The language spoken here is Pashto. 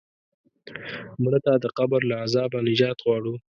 مړه ته د قبر له عذابه نجات غواړو